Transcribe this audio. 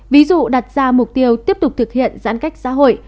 ví dụ đặt ra mục tiêu tiếp tục thực hiện giãn cách xã hội